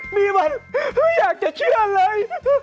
เฮ้ยนี่แบบไม่อยากจะเชื่อเลย